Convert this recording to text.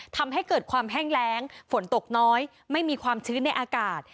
ทำให้เกิดความแห้งแรงฝนตกน้อยไม่มีความชื้นในอากาศ